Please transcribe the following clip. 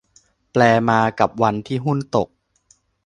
แปลมา กับวันที่หุ้นตก